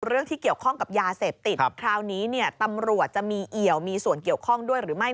เรื่องที่เกี่ยวข้องกับยาเสพติดคราวนี้เนี่ยตำรวจจะมีเอี่ยวมีส่วนเกี่ยวข้องด้วยหรือไม่